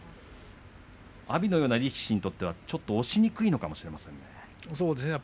阿炎のような力士にとっては押しにくいのかもしれませんね。